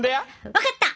分かった！